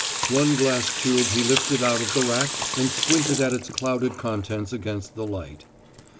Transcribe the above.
One glass tube he lifted out of the rack and squinted at its clouded contents against the light.